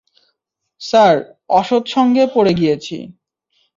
Sir, অসৎ সঙ্গে পড়ে গিয়েছে।